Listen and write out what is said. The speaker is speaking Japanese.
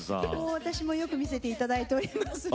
私もよく見せていただいております。